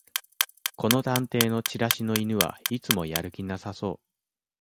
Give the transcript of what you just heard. この探偵のチラシの犬はいつもやる気なさそう